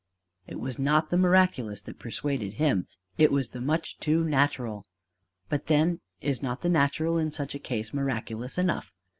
It was not the miraculous that persuaded him: it was the much too natural! But then is not the natural in such a case miraculous enough?